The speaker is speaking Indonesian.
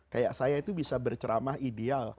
kayak saya itu bisa berceramah ideal